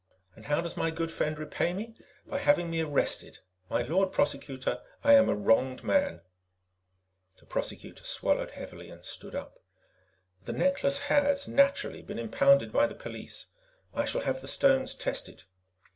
"And how does my good friend repay me? By having me arrested. My Lord Prosecutor, I am a wronged man." The Prosecutor swallowed heavily and stood up. "The necklace has, naturally, been impounded by the police. I shall have the stones tested."